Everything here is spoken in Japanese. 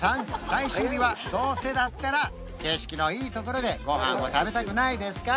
最終日はどうせだったら景色のいいところでご飯を食べたくないですか？